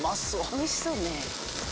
おいしそうね。